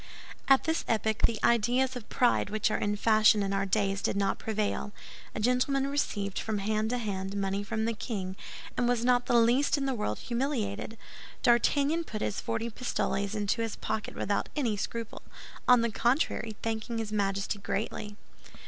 At this epoch, the ideas of pride which are in fashion in our days did not prevail. A gentleman received, from hand to hand, money from the king, and was not the least in the world humiliated. D'Artagnan put his forty pistoles into his pocket without any scruple—on the contrary, thanking his Majesty greatly.